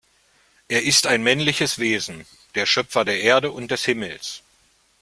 Er ist ein männliches Wesen, der Schöpfer der Erde und des Himmels.